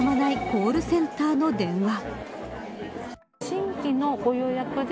コールセンターの電話。